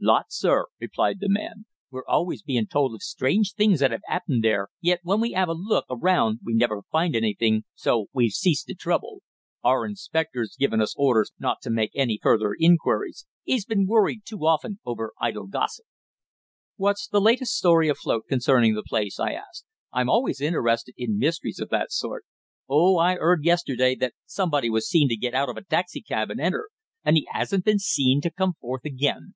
"Lots, sir," replied the man. "We're always being told of strange things that 'ave 'appened there, yet when we 'ave a look around we never find anything, so we've ceased to trouble. Our inspector's given us orders not to make any further inquiries, 'e's been worried too often over idle gossip." "What's the latest story afloat concerning the place?" I asked. "I'm always interested in mysteries of that sort." "Oh, I 'eard yesterday that somebody was seen to get out of a taxi cab and enter. And 'e 'asn't been seen to come forth again."